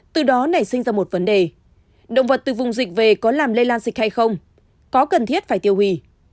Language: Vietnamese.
từ đó nảy sinh ra một vấn đề động vật từ vùng dịch về có làm lây lan dịch hay không có cần thiết phải tiêu hủy